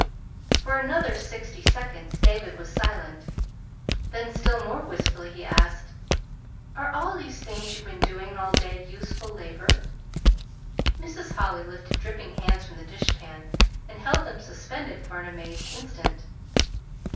For another sixty seconds David was silent; then, still more wistfully, he asked: "Are all these things you've been doing all day 'useful labor'?" Mrs. Holly lifted dripping hands from the dishpan and held them suspended for an amazed instant.